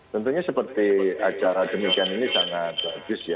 tentunya seperti acara demikian ini sangat bagus ya